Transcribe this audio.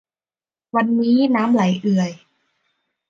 วันนี้น้ำไหลเอื่อย